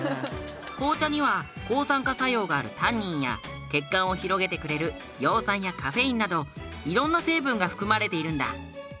紅茶には抗酸化作用があるタンニンや血管を広げてくれる葉酸やカフェインなど色んな成分が含まれているんだ。